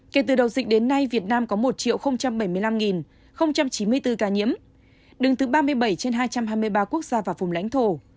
kể từ đầu dịch đến nay việt nam có một bảy mươi năm chín mươi bốn ca nhiễm đứng thứ ba mươi bảy trên hai trăm hai mươi ba quốc gia và vùng lãnh thổ